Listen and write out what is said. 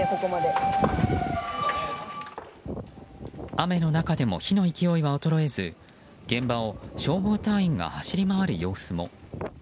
雨の中でも火の勢いは衰えず現場を消防隊員が走り回る様子も。